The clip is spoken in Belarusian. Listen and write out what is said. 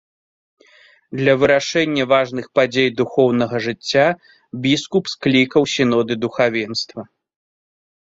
Для вырашэння важных падзей духоўнага жыцця біскуп склікаў сіноды духавенства.